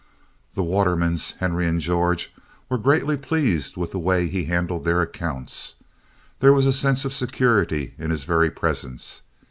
The Watermans, Henry and George, were greatly pleased with the way he handled their accounts. There was a sense of security in his very presence.